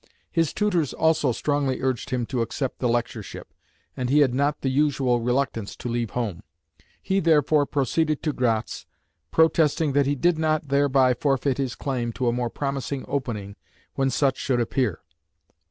His tutors also strongly urged him to accept the lectureship, and he had not the usual reluctance to leave home. He therefore proceeded to Gratz, protesting that he did not thereby forfeit his claim to a more promising opening, when such should appear.